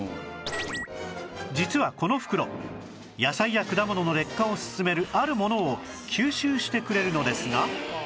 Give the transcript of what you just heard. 実はこの袋野菜や果物の劣化を進めるあるものを吸収してくれるのですが